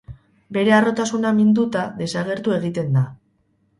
Bere harrotasuna minduta, desagertu egiten da.